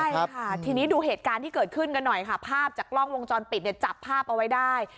ใช่ค่ะทีนี้ดูเหตุการณ์ที่เกิดขึ้นกันหน่อยค่ะภาพจากกล้องวงจรปิดเนี่ยจับภาพเอาไว้ได้